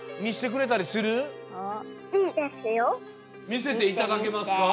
みせていただけますか？